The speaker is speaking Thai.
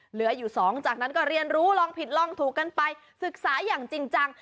เหลืออยู่สองจากนั้นก็เรียนรู้ลองผิดลองถูกกันไปศึกษาอย่างจริงจัง